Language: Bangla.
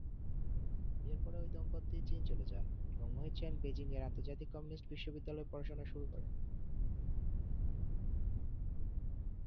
বিয়ের পরে এই দম্পতি চীন চলে যান এবং মোহিত সেন বেজিং-য়ের আন্তর্জাতিক কমিউনিস্ট বিশ্ববিদ্যালয়ে পড়াশোনা শুরু করেন।